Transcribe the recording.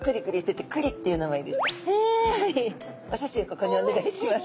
ここにおねがいします。